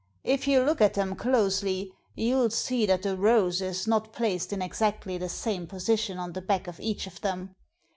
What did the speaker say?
If you look at them closely you'll see that the rose is not placed in exactly the same position on the back of each of them.